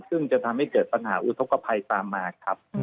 ซึ่งจะทำให้เกิดปัญหาอุทธกภัยตามมาครับ